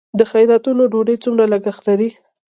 د خیراتونو ډوډۍ څومره لګښت لري؟